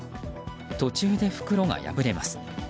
途中で袋が破れます。